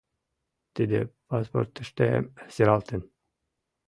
Тиде паспортыштем сералтын.